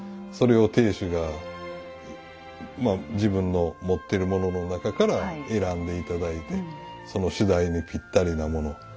それを亭主が自分の持ってるものの中から選んで頂いてその主題にぴったりなもの